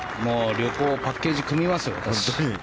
旅行パッケージ組みますよ、私。